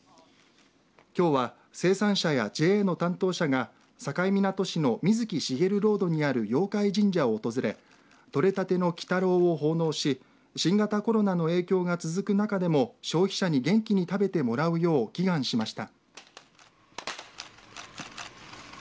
きょうは生産者やＪＡの担当者が境港市の水木しげるロードにある妖怪神社を訪れ、とれたての輝太郎を奉納し新型コロナの影響が続く中でも消費者に元気に食べてもらうよう祈願しました。